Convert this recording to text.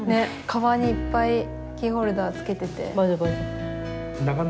かばんにいっぱいキーホルダーつけてて。